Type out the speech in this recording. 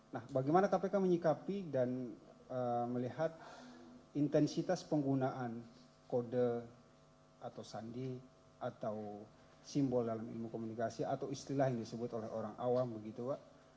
nah bagaimana kpk menyikapi dan melihat intensitas penggunaan kode atau sandi atau simbol dalam ilmu komunikasi atau istilah yang disebut oleh orang awam begitu pak